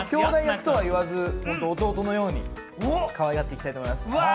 兄弟役とは言わず、弟のようにかわいがっていきたいと思います。